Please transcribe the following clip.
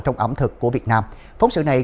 trong ẩm thực của việt nam phóng sự này